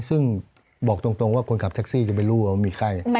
ซึ่งบอกตรงว่าคนขับแท็กซี่จะไม่รู้ว่ามีไข้